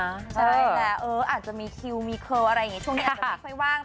ใช่แหละอาจจะมีคิวมีเคอร์อะไรอย่างนี้ช่วงนี้อาจจะไม่ค่อยว่าง